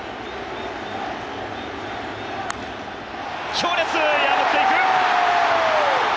強烈、破っていく！